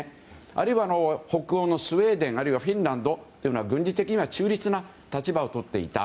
あるいは北欧のスウェーデンあるいはフィンランドというのは軍事的には中立な立場をとっていた。